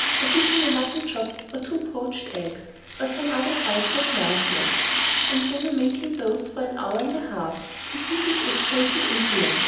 I give him a mutton chop, or two poached eggs, or some other trifle of nourishment. And then I make him doze for an hour and a half, to soothe his agitated intellect.